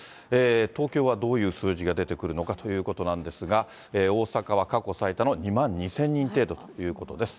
東京はどういう数字が出てくるのかということなんですが、大阪は過去最多の２万２０００人程度ということです。